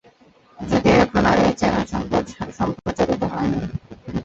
যদিও এখন আর এ চ্যানেল সম্প্রচারিত হয়না।